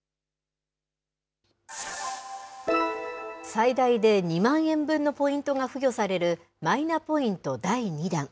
最大で２万円分のポイントが付与される、マイナポイント第２弾。